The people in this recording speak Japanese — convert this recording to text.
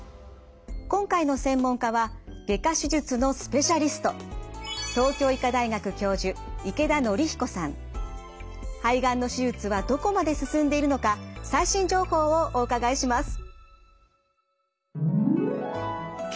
今回の専門家は外科手術のスペシャリスト肺がんの手術はどこまで進んでいるのか最新情報をお伺いします。